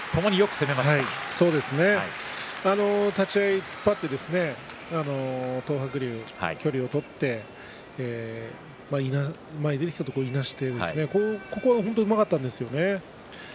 立ち合い、東白龍は突っ張って距離を取って前に出てきたところをいなしてこの辺は、うまかったですね。